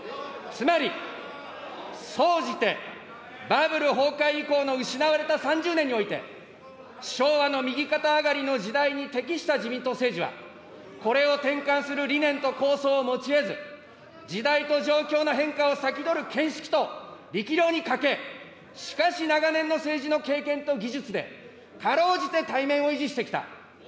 つまり、総じてバブル崩壊以降の失われた３０年において、昭和の右肩上がりの時代に適した自民党政治は、これを転換する理念と構想を持ちえず、時代と状況の変化を先取る見識と力量に欠け、しかし、長年の政治の経験と技術で、かろうじて体面を維持してきた。